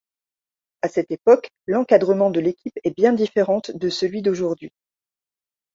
À cette époque, l'encadrement de l'équipe est bien différente de celui d'aujourd'hui.